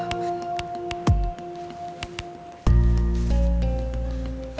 oh ini ada